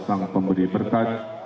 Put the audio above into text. sang pemberi berkat